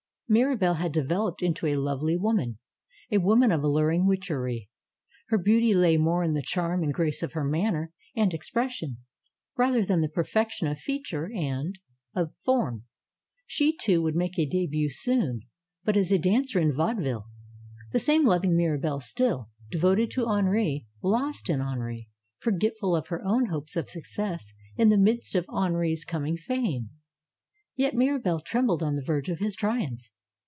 Mirabelle had developed into a lovely woman; a woman of alluring witchery. Her beauty lay more in the charm and grace of her manner and MIRABELLE 117 expression, rather than the perfection of feature and of form. She, too, would make a debut soon; but as a dancer in vaudeville. The same loving Jdirabelle still; devoted to Henri; lost in Henri; forgetful of her own hopes of success in the midst of Henri's com ing fame. Yet Mirabelle trembled on the verge of his triumph.